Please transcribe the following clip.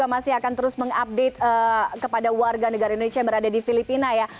masih akan terus mengupdate kepada warga negara indonesia yang berada di filipina ya